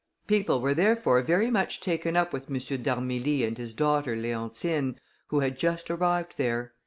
People were therefore very much taken up with M. d'Armilly, and his daughter Leontine, who had just arrived there.